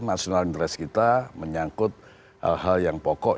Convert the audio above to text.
nasional interest kita menyangkut hal hal yang pokok